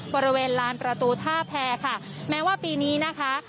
บริเวณลานประตูท่าแพรค่ะแม้ว่าปีนี้นะคะ